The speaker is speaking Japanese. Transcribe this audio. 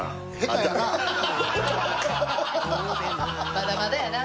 まだまだやな。